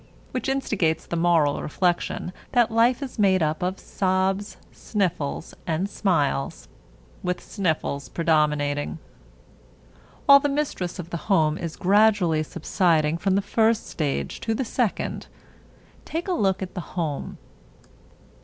Which instigates the moral reflection that life is made up of sobs, sniffles, and smiles, with sniffles predominating. While the mistress of the home is gradually subsiding from the first stage to the second, take a look at the home.